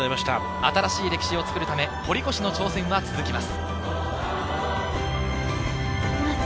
新しい歴史を作るため堀越の挑戦は続きます。